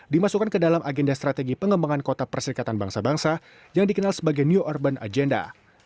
dimasukkan ke dalam agenda strategi pengembangan kota perserikatan bangsa bangsa yang dikenal sebagai new urban agenda